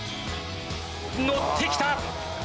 乗ってきた。